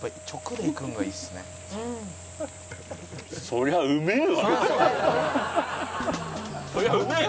そりゃうめえ！